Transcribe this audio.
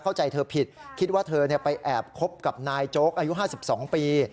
เข้าใจเธอผิดคิดว่าเธอไปแอบคบกับนายโจ๊กอายุ๕๒ปี